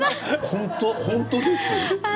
本当ですか？